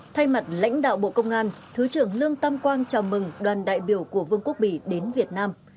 thay mặt lãnh đạo bộ công an thứ trưởng lương tam quang chào mừng đoàn đại biểu của vương quốc bỉ đến việt nam